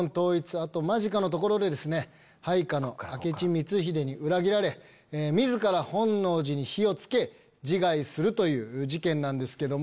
あと間近のところで配下の明智光秀に裏切られ自ら本能寺に火を付け自害するという事件なんですけども。